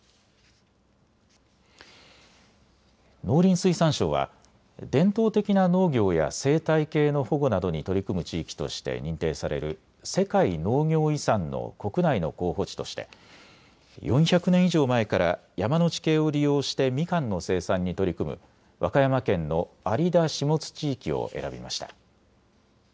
農林水産省は伝統的な農業や生態系の保護などに取り組む地域として認定される世界農業遺産の国内の候補地として４００年以上前から山の地形を利用してみかんの生産に取り組む和歌山県の有田・下津地域を選びました。